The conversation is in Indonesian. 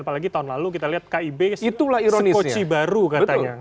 apalagi tahun lalu kita lihat kib sekoci baru katanya